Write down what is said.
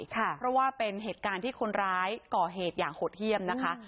เพราะว่าเป็นเหตุการณ์ที่คนร้ายก่อเหตุอย่างโหดเยี่ยมนะคะ